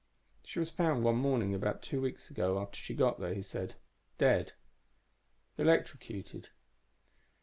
"She was found one morning about two weeks after she got there," he said. "Dead. Electrocuted.